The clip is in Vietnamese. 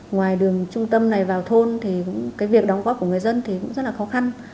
ngoài đường trung tâm này vào thôn thì cái việc đóng góp của người dân thì cũng rất là khó khăn